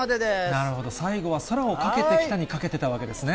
なるほど、最後は空をかけてきたにかけてたわけですね。